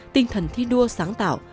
tinh thần thi đua sáng tạo